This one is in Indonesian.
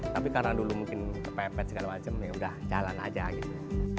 tapi karena dulu mungkin kepepet segala macam ya udah jalan aja gitu